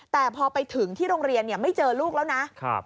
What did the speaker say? แต่พอไปถึงที่โรงเรียนไม่เจอลูกแล้วนะ